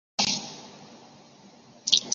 协和飞机的加压系统也有完善的安全性考量。